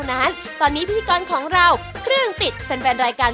วันนี้ขอบคุณคุณลุงมากเลยครับ